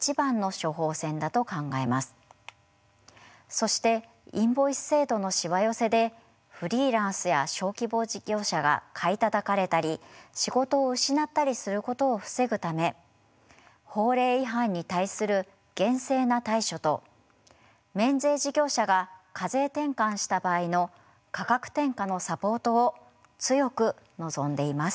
そしてインボイス制度のしわ寄せでフリーランスや小規模事業者が買いたたかれたり仕事を失ったりすることを防ぐため法令違反に対する厳正な対処と免税事業者が課税転換した場合の価格転嫁のサポートを強く望んでいます。